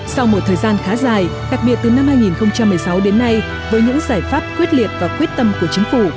sau một thời gian khá dài đặc biệt từ năm hai nghìn một mươi sáu đến nay với những giải pháp quyết liệt và quyết tâm của chính phủ